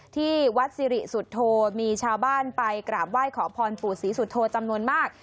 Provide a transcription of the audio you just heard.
ที่วัดสิริสุทธโธมีชาวบ้านไปกราบไหว้ขอพรปู่ศรีสุโธจำนวนมาก